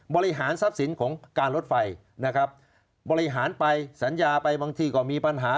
บริหารทรัพย์สินของการรถไฟนะครับบริหารไปสัญญาไปบางทีก็มีปัญหา